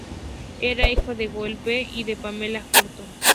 Era hijo de Joel B. y de Pamela Horton.